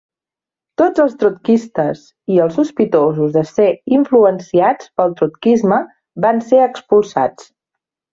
Tots els trotskistes i els sospitosos de ser influenciats pel trotskisme van ser expulsats.